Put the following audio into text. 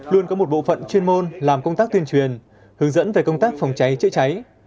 luôn có một bộ phận chuyên môn làm công tác tuyên truyền hướng dẫn về công tác phòng cháy chữa cháy